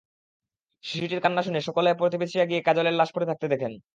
শিশুটির কান্না শুনে সকালে প্রতিবেশীরা গিয়ে কাজলের লাশ পড়ে থাকতে দেখেন।